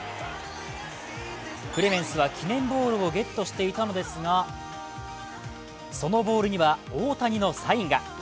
クレメンスは記念ボールをゲットしていたのですが、そのボールには大谷のサインが。